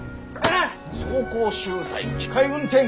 走行集材機械運転！